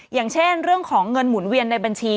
อย่างเช่นเรื่องของเงินหมุนเวียนในบัญชี